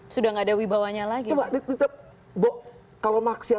sudah gak ada wibawanya lagi